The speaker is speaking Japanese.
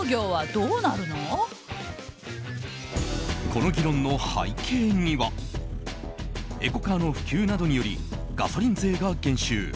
この議論の背景にはエコカーの普及などによりガソリン税が減収。